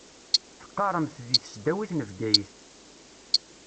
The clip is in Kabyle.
Teqqaṛemt di tesdawit n Bgayet.